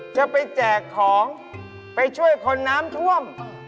จะไปแจกของไปช่วยคนน้ำท่วม